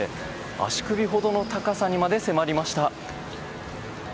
足首ほどの高さにまで迫りました。